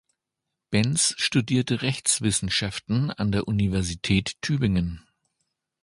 Benz studierte Rechtswissenschaften an der Universität Tübingen.